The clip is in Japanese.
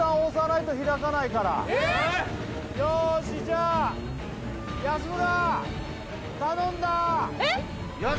よしじゃあえっ？